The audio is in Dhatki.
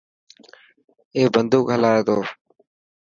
اي بندوڪ هلائي ٿو.